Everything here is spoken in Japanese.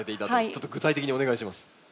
ちょっと具体的にお願いします。